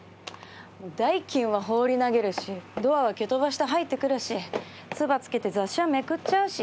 代金は放り投げるしドアは蹴飛ばして入ってくるしつばつけて雑誌はめくっちゃうし。